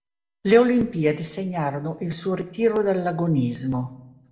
Le Olimpiadi segnarono il suo ritiro dall'agonismo.